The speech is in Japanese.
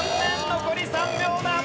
残り３秒だ。